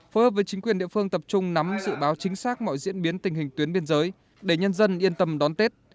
phối hợp với chính quyền địa phương tập trung nắm dự báo chính xác mọi diễn biến tình hình tuyến biên giới để nhân dân yên tâm đón tết